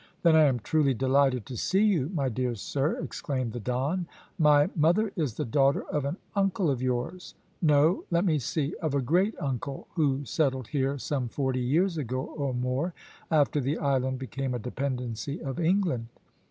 "Then I am truly delighted to see you, my dear sir," exclaimed the Don. "My mother is the daughter of an uncle of yours no; let me see of a great uncle who settled here some forty years ago or more, after the island became a dependency of England.